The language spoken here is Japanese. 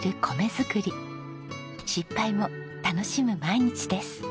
失敗も楽しむ毎日です。